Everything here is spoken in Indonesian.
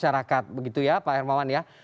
masyarakat begitu ya pak hermawan ya